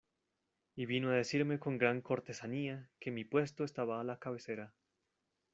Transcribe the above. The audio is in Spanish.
y vino a decirme con gran cortesanía que mi puesto estaba a la cabecera.